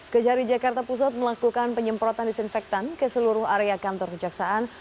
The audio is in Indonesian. kejari jakarta pusat melakukan penyemprotan disinfektan ke seluruh area kantor kejaksaan